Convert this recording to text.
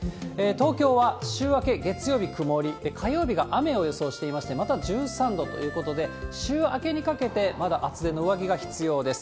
東京は週明け月曜日曇り、火曜日が雨を予想していまして、また１３度ということで、週明けにかけてまだ厚手の上着が必要です。